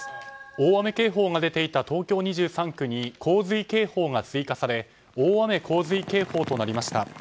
大雨警報が出ていた東京２３区に洪水警報が追加され大雨・洪水警報となりました。